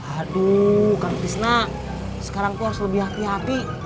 aduh kang fisna sekarang aku harus lebih hati hati